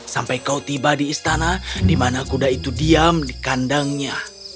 sampai kau tiba di istana di mana kuda itu diam di kandangnya